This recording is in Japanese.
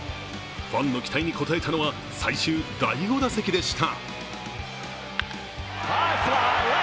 ファンの期待に応えたのは最終第５打席でした。